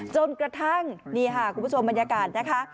จนกระทั่งนี่ค่ะคุณผู้ชมบรรยากาศนะคะ